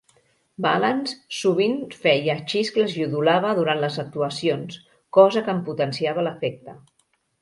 Balance sovint feia xiscles i udolava durant les actuacions, cosa que en potenciava l'efecte.